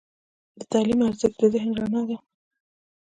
د تعلیم ارزښت د ذهن رڼا ده.